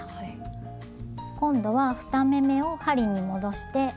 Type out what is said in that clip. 今度は２目めを針に戻して。